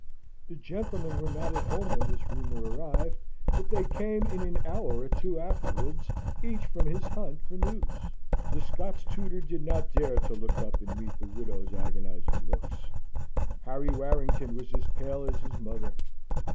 The gentlemen were not at home when this rumour arrived, but they came in an hour or two afterwards, each from his hunt for news. The Scots tutor did not dare to look up and meet the widow's agonising looks. Harry Warrington was as pale as his mother.